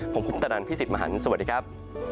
ผมคุปตะนันพี่สิทธิ์มหันฯสวัสดีครับ